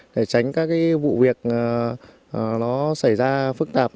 để tránh các vụ việc nó xảy ra phức tạp